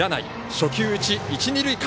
初球打ち、一、二塁間。